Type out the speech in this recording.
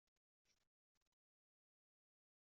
Litwanya tutef tajrut n Europa